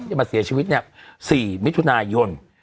จะมาเสียชีวิต๔มิถุนายน